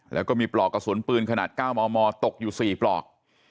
แล้วก็มีปลอกกระสุนปืนขนาด๙มมตกอยู่๔ปลอก